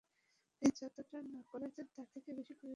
তিনি যতটা না করেছেন, তার থেকে বেশি করেছেন হিস্টোলজির জন্য।